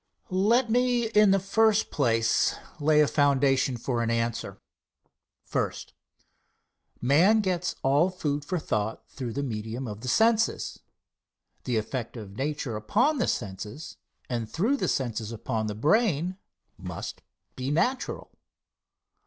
Answer. Let me, in the first place, lay a foundation for an answer. First. Man gets all food for thought through the medium of the senses. The effect of nature upon the senses, and through the senses upon the brain, must be natural.